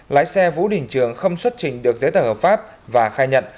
lái xe vũ đình trường không xuất trình được giấy tờ hợp pháp và khai nhận